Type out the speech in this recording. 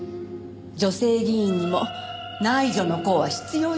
女性議員にも内助の功は必要よ。